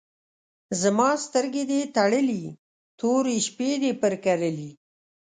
زما سترګې دي تړلي، تورې شپې دي پر کرلي